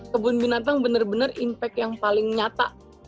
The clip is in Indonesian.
kebun binatang benar benar impact yang paling nyata